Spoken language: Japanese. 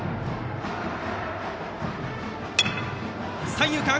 三遊間。